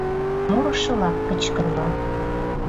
Мурышылак кычкырла.